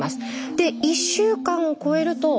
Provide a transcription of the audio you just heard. で１週間を超えると。